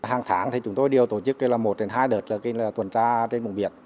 hàng tháng chúng tôi đều tổ chức một hai đợt tuần tra trên vùng biển